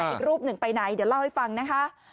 อีกรูปหนึ่งไปไหนเดี๋ยวเล่าให้ฟังนะคะ